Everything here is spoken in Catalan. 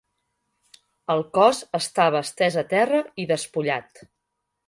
El cos estava estès a terra i despullat.